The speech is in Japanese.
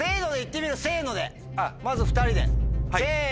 まず２人で。